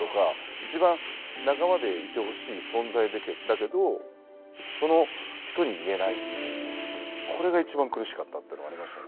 一番仲間でいてほしい存在だけどその人に言えないっていうこれが一番苦しかったっていうのはありましたね。